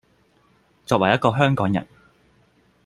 作為一個香港人